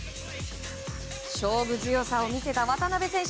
勝負強さを見せた渡邊選手。